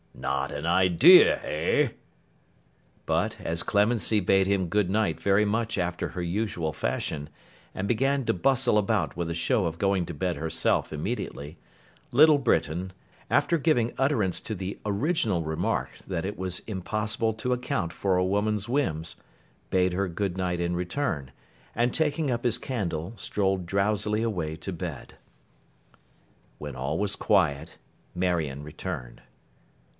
Not an idea, eh?' But, as Clemency bade him good night very much after her usual fashion, and began to bustle about with a show of going to bed herself immediately, Little Britain, after giving utterance to the original remark that it was impossible to account for a woman's whims, bade her good night in return, and taking up his candle strolled drowsily away to bed. When all was quiet, Marion returned.